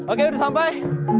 oke udah sampai